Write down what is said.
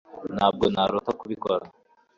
ntabwo narota kubikora